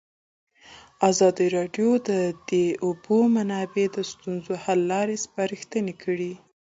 ازادي راډیو د د اوبو منابع د ستونزو حل لارې سپارښتنې کړي.